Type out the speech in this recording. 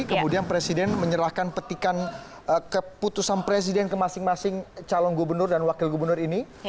kemudian presiden menyerahkan petikan keputusan presiden ke masing masing calon gubernur dan wakil gubernur ini